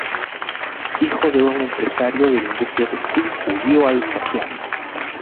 Hijo de un empresario de la industria textil judío alsaciano.